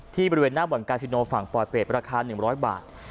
บริเวณหน้าบ่อนกาซิโนฝั่งปลอยเปรตราคา๑๐๐บาท